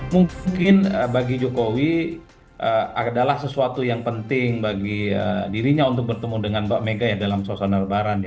mungkin bagi jokowi adalah sesuatu yang penting bagi dirinya untuk bertemu dengan mbak mega ya dalam suasana lebaran